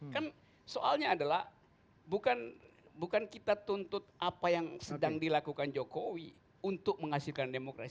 kan soalnya adalah bukan kita tuntut apa yang sedang dilakukan jokowi untuk menghasilkan demokrasi